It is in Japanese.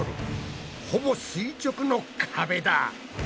ほぼ垂直の壁だ！